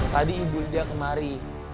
tadi ibu lydia kemari